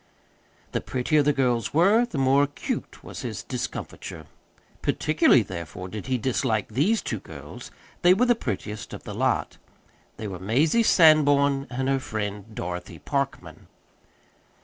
The prettier the girls were, the more acute was his discomfiture. Particularly, therefore, did he dislike these two girls they were the prettiest of the lot. They were Mazie Sanborn and her friend Dorothy Parkman.